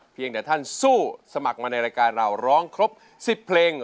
เพียงแต่ท่านสู้สมัครมาในรายการเราร้องครบ๑๐เพลง